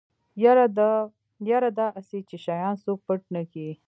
يره دا اسې چې شيان څوک پټ نکي.